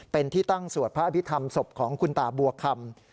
เป็นที่ตั้งสวดพระอภิษฐรรมศพของคุณตาบัวคำ